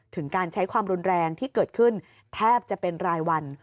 ถึงการใช้ความรุนแรงที่เกิดขึ้นแทบจะเป็นรายวัน